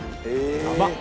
甘っ！